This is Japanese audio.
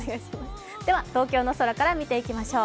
東京の空から見ていきましょう。